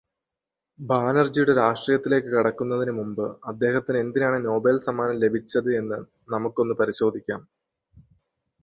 ബാനർജിയുടെ രാഷ്ട്രീയത്തിലേക്ക് കടക്കുന്നതിനു മുമ്പ്, അദ്ദേഹത്തിന് എന്തിനാണ് നൊബേൽ സമ്മാനം ലഭിച്ചത് എന്ന് നമുക്കൊന്ന് പരിശോധിക്കാം.